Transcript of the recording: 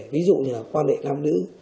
ví dụ như là quan hệ làm nữ